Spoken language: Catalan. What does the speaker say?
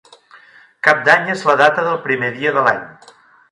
Cap d'Any és la data del primer dia de l'any.